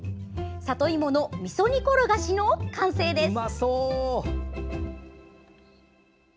里芋のみそ煮ころがしの完成です。